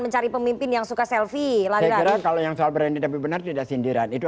mencari pemimpin yang suka selfie lajar kalau yang soal berani tapi benar tidak sindiran itu